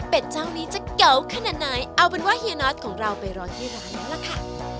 เป็นเจ้านี้จะเก๋าขนาดไหนเอาเป็นว่าเฮียน็อตของเราไปรอที่ร้านแล้วล่ะค่ะ